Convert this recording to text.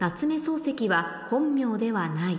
漱石は本名ではない